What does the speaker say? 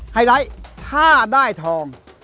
ไฮไลท์ถ้าได้ทอง